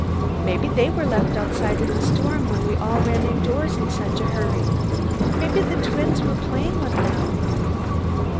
Maybe they were left outside in the storm when we all ran indoors in such a hurry. Maybe the twins were playing with them."